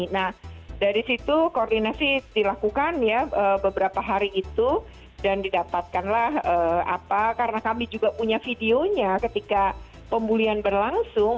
nah dari situ koordinasi dilakukan ya beberapa hari itu dan didapatkanlah karena kami juga punya videonya ketika pembulian berlangsung